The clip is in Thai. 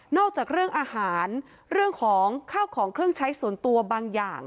จากเรื่องอาหารเรื่องของข้าวของเครื่องใช้ส่วนตัวบางอย่าง